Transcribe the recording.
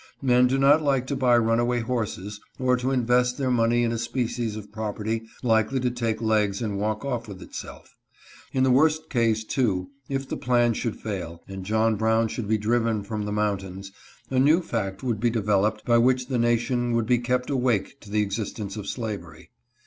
Men do not like to buy runaway horses, or to invest their money in a species of property likely to take legs and walk off with itself. In the worse case, too, if the plan should fail, and John Brown should be driven from the mount ains, a new fact would be developed by which the nation would be kept awake to the existence of slavery.